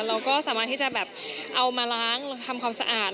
เราก็สามารถที่จะแบบเอามาล้างทำความสะอาด